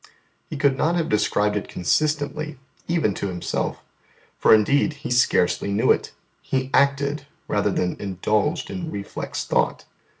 He could not have described it consistently even to Himself, for indeed He scarcely knew it: He acted rather than indulged in reflex thought.